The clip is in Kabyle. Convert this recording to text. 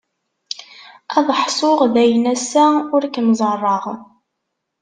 Ad ḥṣuɣ dayen assa ur kem-ẓerreɣ.